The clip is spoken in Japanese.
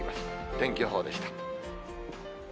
天気予報でした。